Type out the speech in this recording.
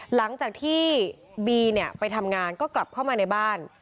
หลังจากที่บีไปทำงานก็กลับเข้ามาในบ้าน